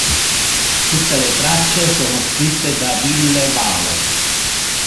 Tutte le tracce sono scritte da Ville Valo.